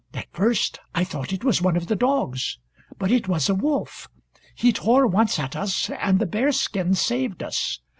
At first I thought it was one of the dogs. But it was a wolf. He tore once at us, and the bearskin saved us.